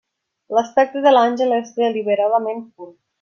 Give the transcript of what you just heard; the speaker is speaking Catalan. L'aspecte de l'àngel és deliberadament pur.